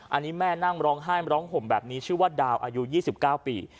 อันนี้แม่นั่งร้องไห้ร้องห่มแบบนี้ชื่อว่าดาวอายุ๒๙ปี